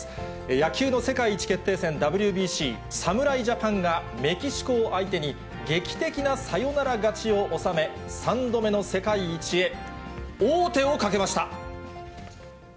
野球の世界一決定戦、ＷＢＣ、侍ジャパンがメキシコを相手に劇的なサヨナラ勝ちを収め、３度目の世界一へ王手をかけました。